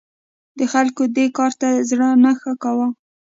د خلکو دې کار ته زړه نه ښه کاوه.